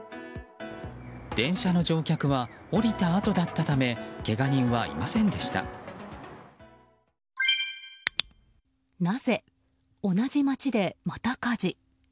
電車の乗客は降りたあとだったためけが人はいませんでした。